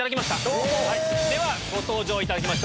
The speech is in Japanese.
お！ご登場いただきましょう！